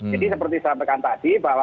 jadi seperti saya sampaikan tadi bahwa